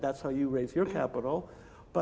itulah cara anda membangun capital anda